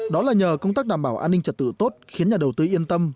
đó là nhờ công tác đảm bảo an ninh trật tự tốt khiến nhà đầu tư yên tâm